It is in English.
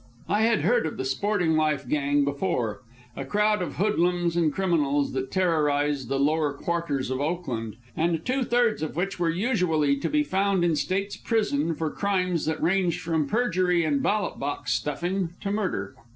I had heard of the Sporting Life Gang before, a crowd of hoodlums and criminals that terrorized the lower quarters of Oakland, and two thirds of which were usually to be found in state's prison for crimes that ranged from perjury and ballot box stuffing to murder.